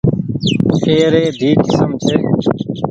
اي ري دئي ڪسم ڇي۔